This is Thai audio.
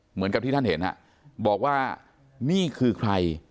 เหมือนกับที่ท่านเห็นบอกว่านี่คือใคร